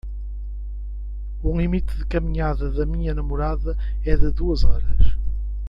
O limite de caminhada da minha namorada é de duas horas.